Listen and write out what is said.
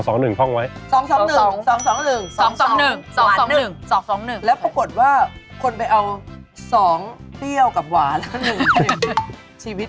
คนไปเอา๒เดี้ยวกับหวานแล้ว๑ฉีด